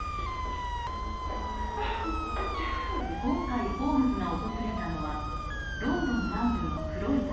今回ホームズが訪れたのはロンドン南部のクロイドン。